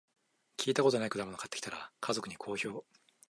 聞いたことない果物買ってきたら、家族に好評